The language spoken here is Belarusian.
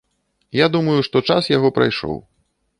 Я думаю, што час яго прайшоў.